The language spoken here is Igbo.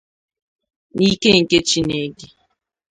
n’ike nke Chineke